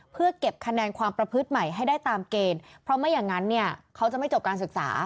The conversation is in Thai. เพื่อเก็บคะแนนความประพฤติใหม่ให้ได้ตามเกณฑ์เพราะไม่อย่างนั้นเนี่ยเขาจะไม่จบการศึกษา